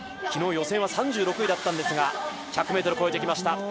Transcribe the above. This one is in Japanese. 昨日予選は３６位だったんですが、１００ｍ越えてきました。